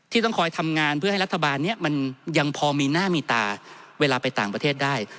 ต้องคอยทำงานเพื่อให้รัฐบาลนี้มันยังพอมีหน้ามีตาเวลาไปต่างประเทศได้